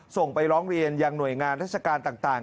ส่งไปร้องเรียนยังหน่วยงานราชการต่าง